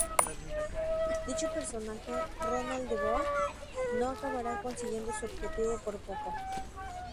Dicho personaje, Ronald DeVore, no acabará consiguiendo su objetivo por poco.